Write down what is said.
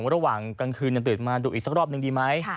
ระหว่างกลางคืนยังตื่นมาดูอีกสักรอบหนึ่งดีไหม